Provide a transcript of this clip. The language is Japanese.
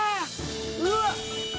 うわっ！